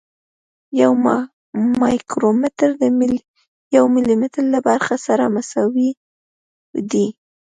یو مایکرومتر د یو ملي متر له برخې سره مساوي دی.